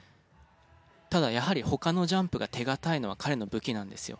ただやはり他のジャンプが手堅いのは彼の武器なんですよ。